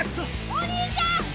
お兄ちゃん。